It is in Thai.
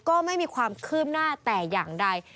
ก็ไม่มีความคืบหน้าแต่อย่างใด